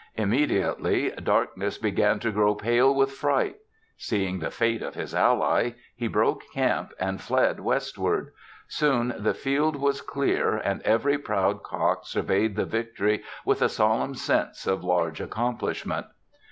Immediately, Darkness began to grow pale with fright. Seeing the fate of his ally, he broke camp and fled westward. Soon the field was clear and every proud cock surveyed the victory with a solemn sense of large accomplishment.